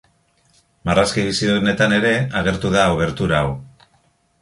Marrazki bizidunetan ere agertu da obertura hau.